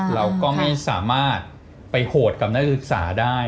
เราก็ไม่สามารถไปโหดกับนักศึกษาได้